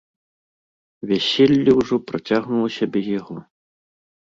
Вяселле ўжо працягнулася без яго.